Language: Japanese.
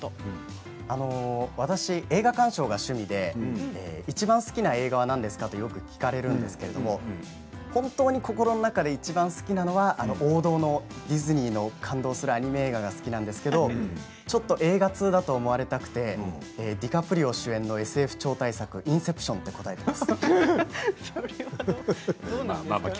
私、映画鑑賞が趣味でいちばん好きな映画は何ですか？とよく聞かれるんですけれども本当に心の中でいちばん好きなのは王道のディズニーの感動するアニメ映画が好きなんですがちょっと映画通だと思われたくてディカプリオ主演のＳＦ超大作「インセプション」と答えています。